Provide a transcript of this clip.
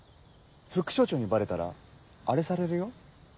副署長にバレたらアレされるよ。